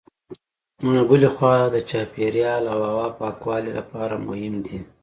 نو له بلې خوا د چاپېریال او هوا پاکوالي لپاره مهم دي.